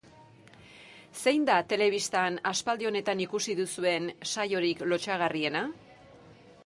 Zein da telebistan aspaldi honetan ikusi duzuen saiorik lotsagarrienak?